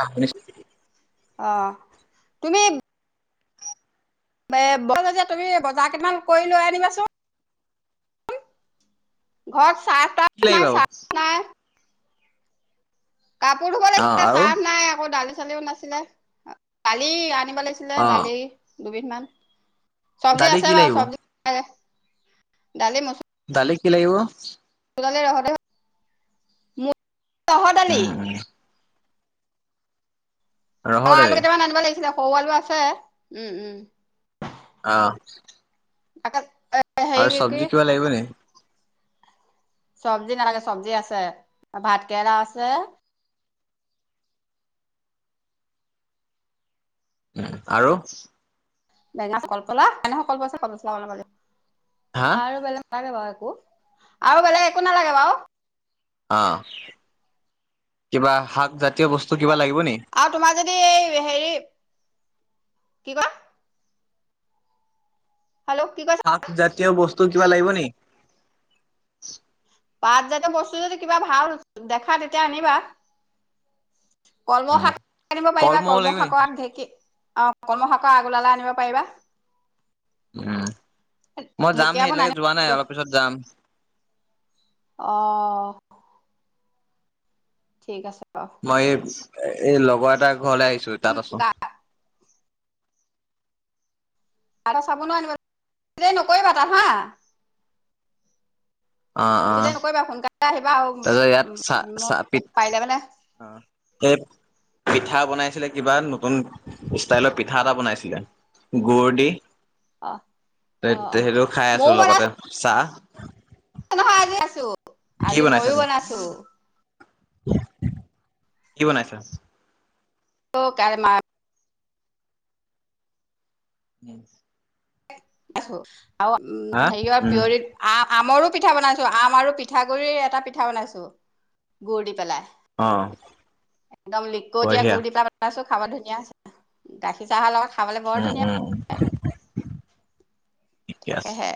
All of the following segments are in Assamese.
অ' নিশ্চয় অ তুমি বল যে তুমি বজাৰ কেইটমান কৰি লৈ আনিবাচোন ঘৰত চাৰ্ফ তাৰ্ফ কি লাগিব নাই বাৰু চাৰ্ফ নাই কাপোৰ ধুব অ লাগিছিলে আৰু চাহ নাই আকৌ দালি চালিও নাছিলে দালি আনিব লাগছিলে অ দালি দুবিধ মান চব্জি দালি আছে কি বাৰু লাগিব চব্জি ডালি মছলা দালিক কি লাগিব [unintelligible] ৰহদালি উম উম ৰহৰ অ' আলু দালি কেইটামান আনিব লাগিছিলে সৰু আলু আছে উম উম অ'হ [unintelligible] আৰু কি কি চব্জি কিবা লাগিব নে চব্জি নালাগে চব্জি আছে ভাত কেৰেলা আছে উম আৰু বেঙা কলপচলা বেঙা কলপচলা বনাব হা আৰু বেলেগ নে আৰু বোলে একো নালাগে বাৰু অ' কিবা শাক জাতীয় বস্তু কিবা লাগিব নি আৰু তোমাৰ যদি এই হেৰি কি কয় হেল্ল' কি কৈছ এতিয়া বস্তু কিবা লাগিব নেকি পাতজাতীয় বস্তু যদি কিবা ভাল দেখা তেতিয়া আনিবা কলমৌ শাক আনিব পাৰিবা কলমৌ লাগিব নি শাক আৰু ঢেঁকি অ' অকমান সৰকে আগবেলালে আনিব পাৰিবা উম মই যাম ঢেকীয়াবোৰ সেইিলকে নানি যোৱা নাই অলপ পিছত যাম অ' ঠিক আছে বাৰু মই এই এই লগৰ এটাৰ ঘৰলে আহিছো তাত আছো গা গাধোৱা চাবোনো আনিব লাগিব বেছি দেৰি নকৰিবা তাত হা বেছি দেৰি নকৰিবা সোনকালে আহিবা আৰু তহতৰ ইয়াত চা মই চা পাৰিলে মানে পিক পিঠা বনাইছিলে কিবা নতুন ষ্টাইলৰ পিঠা এটা বনাইছিলে গুৰ দি অ অ অ সেইটো খাই ময়ো আছো বনাইছো লগতে চাহ নহয় আজি আছোঁ। কি আজি বনাইছা ময়ো তুমি? বনাইছো। কি বনাইছা? [unintelligible] উম, উম [unintelligible] আমৰো পিঠা বনাইছোঁ আম আৰু পিঠাগুড়িৰ এটা পিঠা বনাইছোঁ গুড় দি পেলাই। অ একদম লিকটীয়া বঢ়িয়া গুড় দি [unintelligible] বনাইছো। খাব ধুনীয়া হৈছে গাখীৰ চাহৰ লগত খাবলৈ বৰ ধুনীয়া উম-উম-উম তাকেহে।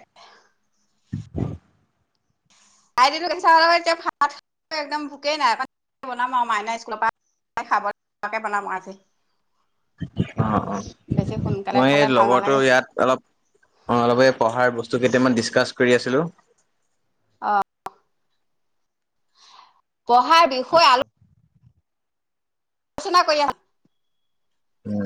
[unintelligible] দিলো গাখীৰ চাহৰ লগত এতিয়া ভাত খাবলৈ একদম ভোকেই নাই [unintelligible] বনাম আৰু মাইনা স্কুলৰ পা [unintelligible] বনাম আজি। অ', অ', বেছি সোনকালে মই খালে এই ভাল লগৰটো নালাগে ইয়াত অলপ অ, অলপ এই পঢ়াৰ বস্তু কেইটামান ডিছকাছ কৰি আছিলো। অ', পঢ়া বিষয় আলো আলোচনা কৰিলে [unintelligible] উম